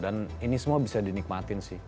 dan ini semua bisa dinikmatin sih